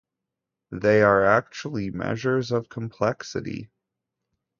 They are actually measures of complexity.